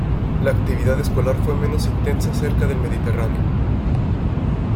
La actividad escolar fue menos intensa cerca del Mediterráneo.